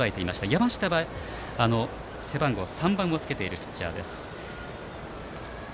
山下は背番号３をつけているピッチャーです。